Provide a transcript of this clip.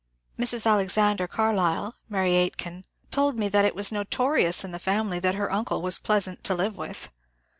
Mrs. Alexander Carlyle (Mary Aitken) told me that it was notorious in the family that her uncle was pleasant to live with.